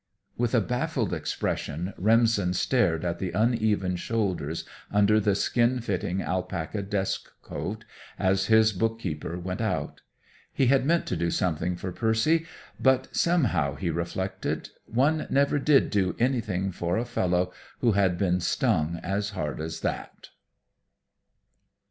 With a baffled expression Remsen stared at the uneven shoulders under the skin fitting alpaca desk coat as his bookkeeper went out. He had meant to do something for Percy, but somehow, he reflected, one never did do anything for a fellow who had been stung as hard as that.